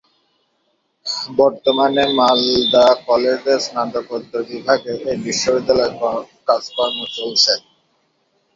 বর্তমানে মালদা কলেজের স্নাতকোত্তর বিভাগে এই বিশ্ববিদ্যালয়ের কাজকর্ম চলছে।